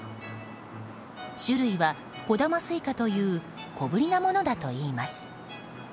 種類は小玉スイカという小ぶりなものだといいます。